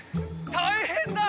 たいへんだ！